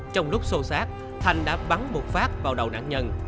trong lúc xô xát thành đã bắn một phát vào đầu nạn nhân